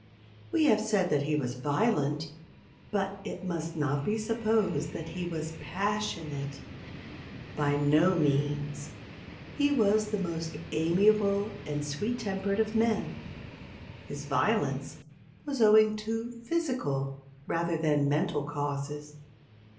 We have said that he was violent, but it must not be supposed that he was passionate. By no means. He was the most amiable and sweet tempered of men. His violence was owing to physical rather than mental causes.